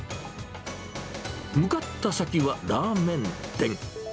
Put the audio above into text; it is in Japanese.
向かった先はラーメン店。